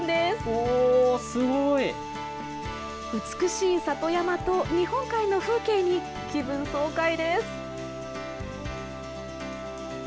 おすごい美しい里山と日本海の風景に気分爽快です